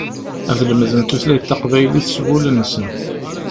Ad lemden tutlayt taqbaylit s wul-nsen.